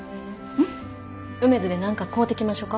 うめづで何か買うてきましょか？